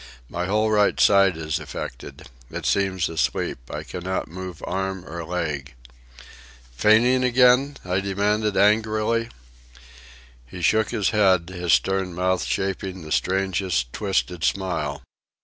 My whole right side is affected. It seems asleep. I cannot move arm or leg." "Feigning again?" I demanded angrily. He shook his head, his stern mouth shaping the strangest, twisted smile.